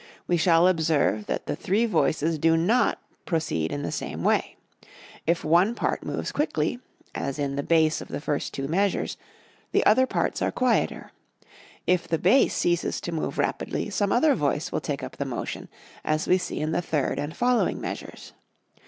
We shall observe that the three voices do not proceed in the same way. If one part moves quickly, as in the bass of the first two measures, the other parts are quieter; if the bass ceases to move rapidly some other voice will take up the motion, as we see in the third and following measures.